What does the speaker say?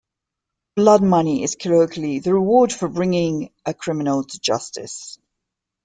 Blood money is, colloquially, the reward for bringing a criminal to justice.